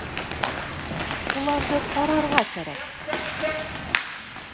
Уларҙы ҡарарға кәрәк.